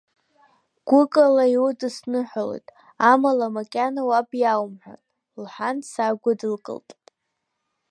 Гәыкала иудысныҳәалоит, амала макьана уаб иоумҳәан, — лҳәан, саагәыдылкылт.